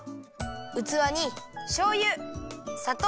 うつわにしょうゆさとう。